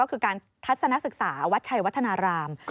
ก็คือการทัศนศึกษาวัดชัยวัฒนาราม